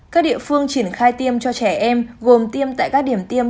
các địa phương triển khai tiêm cho trẻ em gồm tiêm tại các điểm tiêm